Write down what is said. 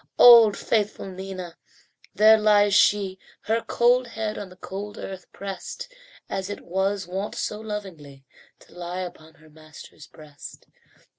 Old faithful Nina! There lies she, Her cold head on the cold earth pressed, As it was wont so lovingly To lie upon her master's breast.